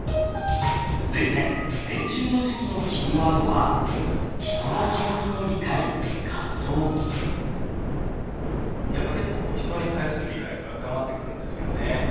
続いて年中の時期のキーワードはやっぱ結構人に対する理解とか深まってくるんですよね。